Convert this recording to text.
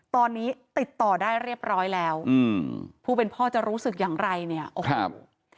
ตอนนี้ติดต่อได้เรียบร้อยแล้วอืมผู้เป็นพ่อจะรู้สึกอย่างไรเนี่ยโอ้โห